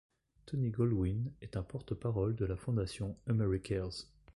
Tony Goldwyn est un porte-parole de la fondation AmeriCares.